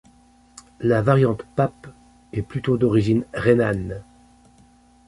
La variante Pape est plutôt d'origine rhénane.